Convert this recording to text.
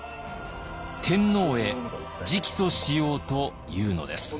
天皇へ直訴しようというのです。